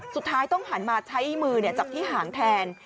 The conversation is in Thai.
สุดท้ายต้องหันมาใช้มือจับที่หางแทน